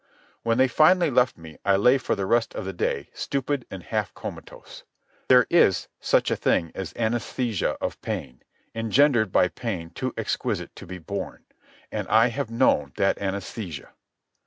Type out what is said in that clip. When they finally left me I lay for the rest of the day stupid and half comatose. There is such a thing as anæsthesia of pain, engendered by pain too exquisite to be borne. And I have known that anæsthesia.